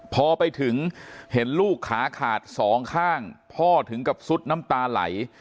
พอไปถึงเห็นลูกขาขาดสองข้างพ่อถึงกับซุดน้ำตาไหล